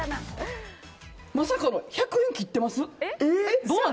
まさかの１００円切ってます。